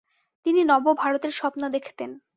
তিনি নবভারতের স্বপ্ন দেখতেন।